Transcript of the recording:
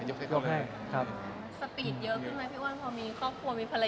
สปีดเยอะขึ้นไหมพี่อ้วนพอมีครอบครัวมีภรรยา